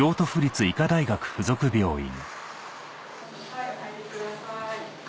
はいお入りください。